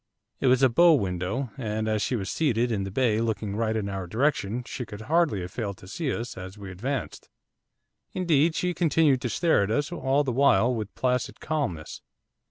It was a bow window, and as she was seated in the bay looking right in our direction she could hardly have failed to see us as we advanced, indeed she continued to stare at us all the while with placid calmness.